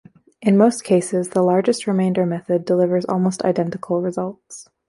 In most cases the largest remainder method delivers almost identical results.